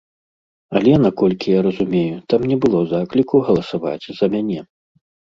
Але, наколькі я разумею, там не было закліку галасаваць за мяне.